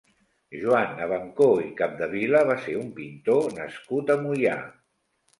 Joan Abancó i Capdevila va ser un pintor nascut a Moià.